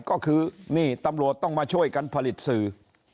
ก็คือนี่ตำรวจต้องมาช่วยกันผลิตสื่อ